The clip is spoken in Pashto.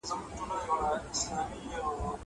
کېدای سي خبري اوږدې وي!